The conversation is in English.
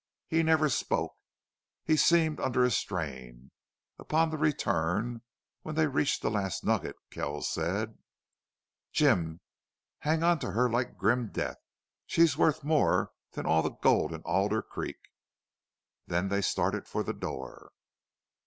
He never spoke. He seemed under a strain. Upon the return, when they reached the Last Nugget, Kells said: "Jim, hang on to her like grim death! She's worth more than all the gold in Alder Creek!" Then they started for the door.